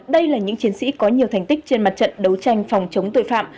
đây là những chiến sĩ có nhiều thành tích trên mặt trận đấu tranh phòng chống tội phạm